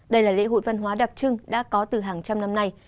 đây là lễ hội văn hóa đặc trưng đã có từ hàng trăm năm nay